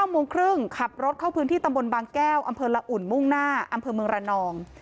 โมงครึ่งขับรถเข้าพื้นที่ตำบลบางแก้วอำเภอละอุ่นมุ่งหน้าอำเภอเมืองระนอง